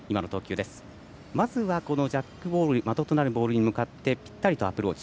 まずはジャックボール的となるボールに向かってぴったりアプローチ。